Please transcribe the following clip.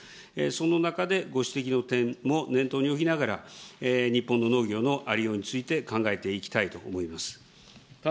その中で、ご指摘の点も念頭に置きながら、日本の農業のありようについて考えていきたいと思います。